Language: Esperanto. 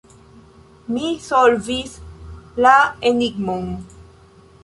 Mi solvis la enigmon.